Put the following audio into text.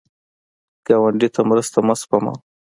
ګاونډي ته مرسته مه سپموه